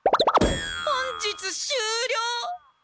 本日終了。